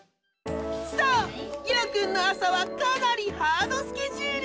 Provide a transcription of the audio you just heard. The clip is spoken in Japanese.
イロくんの朝はかなりハードスケジュール！